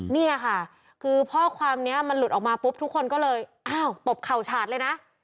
เนี่ยค่ะคือข้อความนี้มันหลุดออกมาปุ๊บทุกคนก็เลยอ้าวตบเข่าฉาดเลยนะ